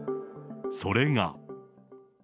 それが。